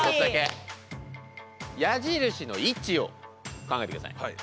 矢印の位置を考えてください。